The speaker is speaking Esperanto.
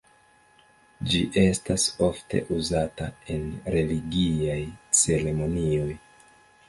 Ĝi estas ofte uzata en religiaj ceremonioj.